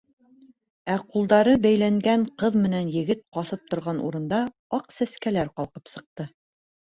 Ә ҡулдары бәйләнгән ҡыҙ менән егет баҫып торған урында аҡ сәскәләр ҡалҡып сыҡты.